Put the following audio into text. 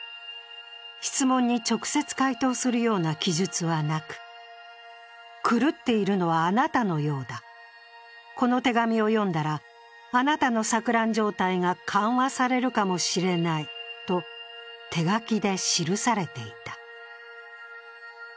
質問に直接回答するような記述はなく、狂っているのはあなたのようだ、この手紙を読んだらあなたの錯乱状態が緩和されるかもしれないと手書きで記されていた。